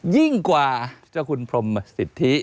ยิ่งกว่าเจ้าคุณพรมสิทธิ